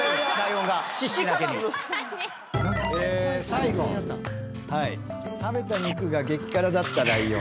最後食べた肉が激辛だったライオン。